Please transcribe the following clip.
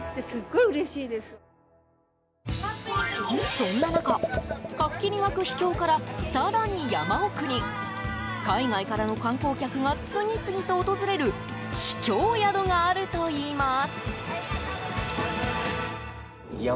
そんな中、活気に沸く秘境から更に山奥に海外からの観光客が次々と訪れる秘境宿があるといいます。